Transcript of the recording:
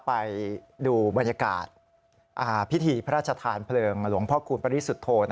ไปดูบรรยากาศพิธีพระราชทานเพลิงหลวงพ่อคูณปริสุทธโธ